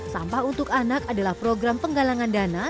sampah untuk anak adalah program penggalangan dana